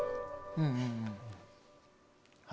うん。